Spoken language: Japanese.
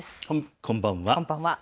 こんばんは。